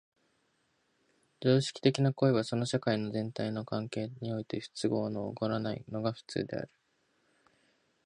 常識的な行為はその社会の全体との関係において不都合の起こらないのが普通である。